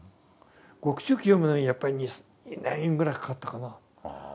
獄中記読むのにやっぱり２年ぐらいかかったかな。